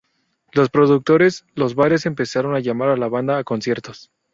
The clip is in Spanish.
Los productores, los bares empezaron a llamar a la banda a conciertos.